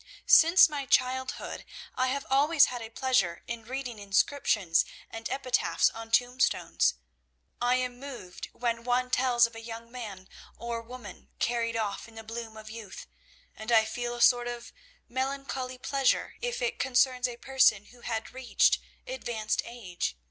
"Since my childhood I have always had a pleasure in reading inscriptions and epitaphs on tombstones. I am moved when one tells of a young man or woman carried off in the bloom of youth, and I feel a sort of melancholy pleasure if it concerns a person who had reached advanced age.